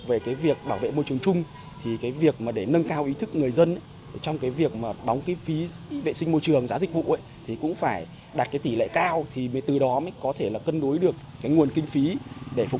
vừa là yêu cầu nâng cao chất lượng cuộc sống nhân dân